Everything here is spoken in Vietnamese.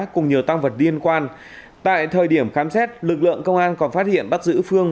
cùng nhiều tăng vật liên quan tại thời điểm khám xét lực lượng công an còn phát hiện bắt giữ phương